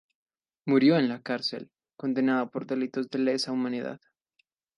Murió en la cárcel, condenado por delitos de lesa humanidad.